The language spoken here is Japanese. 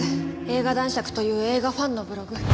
映画男爵という映画ファンのブログ。